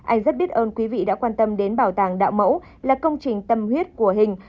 anh rất biết ơn quý vị đã quan tâm đến bảo tàng đạo mẫu là công trình tâm huyết của hình